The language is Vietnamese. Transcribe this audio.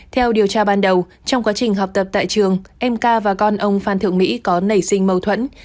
theo điều tra ban đầu trong quá trình học tập tại trường em ca và con ông phan thượng mỹ có nảy sinh mâu thuẫn